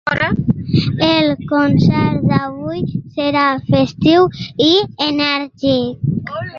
El concert d’avui serà festiu i enèrgic.